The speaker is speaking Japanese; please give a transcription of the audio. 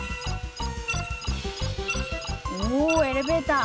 おエレベーター！